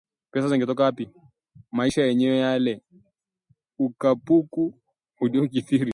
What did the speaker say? Pesa zingetoka wapi!? maisha yenyewe yale! ukapuku ulio kithiri